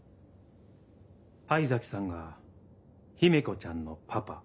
灰崎さんが姫子ちゃんのパパ。